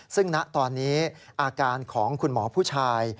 ซึ่งณตอนนี้อาการของคุณหมอผู้ชาย